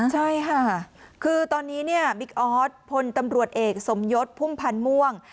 ใช่ค่ะคือตอนนี้เนี่ยบิ๊กออสพลตำรวจเอกสมยศพุ่มพันธ์ม่วง